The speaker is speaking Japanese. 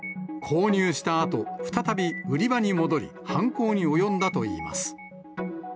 購入したあと、再び売り場に戻り、犯行に及んだといいます。